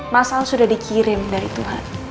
mas al sudah dikirim dari tuhan